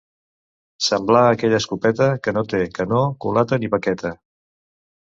Semblar aquella escopeta, que no té canó, culata ni baqueta.